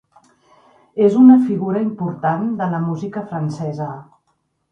És una figura important de la música francesa.